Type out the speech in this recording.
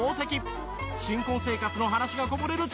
新婚生活の話がこぼれるチャンス。